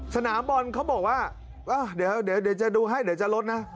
สนามบอลเขาบอกว่าเดี๋ยวเดี๋ยวเดี๋ยวจะดูให้เดี๋ยวจะลดนะ